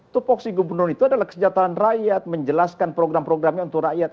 tupoksi gubernur itu adalah kesejahteraan rakyat menjelaskan program programnya untuk rakyat